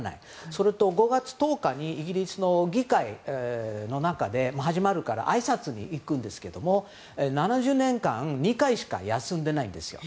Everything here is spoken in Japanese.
それと、５月１０日イギリスの議会が始まるからあいさつに行くんですが７０年間２回しか休んでないんですよ。